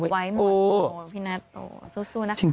เจ็บไว้หมดโอ้พี่นัทโอ้สู้นะครับ